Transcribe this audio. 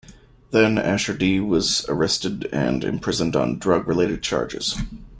Then Asher D was arrested and imprisoned on drug related charges.